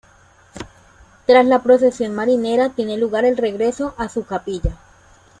Tras la procesión marinera tiene lugar el regreso a su capilla.